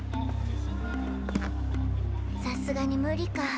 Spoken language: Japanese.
さすがにムリか。